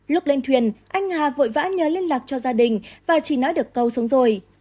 lúc lên thuyền anh hà vội vã nhờ liên lạc cho gia đình và chỉ nói được câu súng rồi